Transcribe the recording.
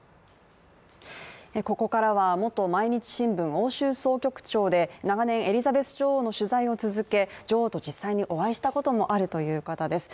ここからは元毎日新聞欧州総局長で長年エリザベス女王の取材を続け、女王と実際にお会いしたこともあるという方です。